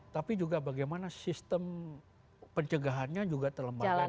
tapi juga bagaimana sistem pencegahannya juga terlembabkan dengan baik